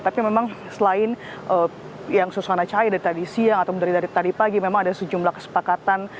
tapi memang selain yang susana cahaya dari tadi siang atau dari tadi pagi memang ada sejumlah kesepakatan